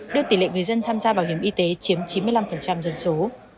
đưa tỷ lệ người dân tham gia bảo hiểm y tế chiếm chín mươi năm dân số